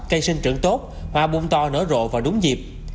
cây sinh trưởng tốt hoa bung to nở rộ và đúng dịp